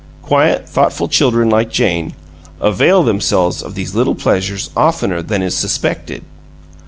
Quiet, thoughtful children, like Jane, avail themselves of these little pleasures oftener than is suspected.